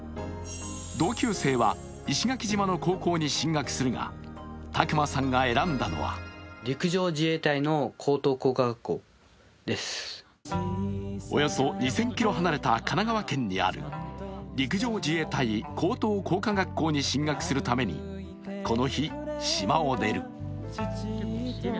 同級生は石垣島の高校に進学するが、拓真さんが選んだのはおよそ２０００ｋｍ離れた神奈川県にある陸上自衛隊高等工科学校に進学するためにこの日、島を出る。